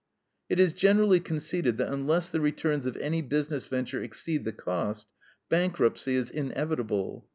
It is generally conceded that unless the returns of any business venture exceed the cost, bankruptcy is inevitable.